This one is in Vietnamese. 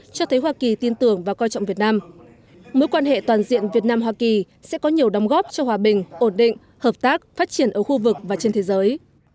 cho thấy hoa kỳ tin tưởng và coi trọng việt nam mối quan hệ toàn diện việt nam hoa kỳ sẽ có nhiều đóng góp cho hòa bình ổn định hợp tác phát triển ở khu vực và trên thế giới